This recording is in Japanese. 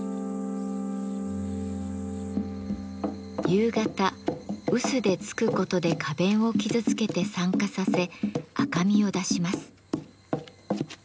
夕方うすでつくことで花弁を傷つけて酸化させ赤みを出します。